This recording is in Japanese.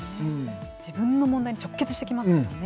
自分の問題に直結してきますからね。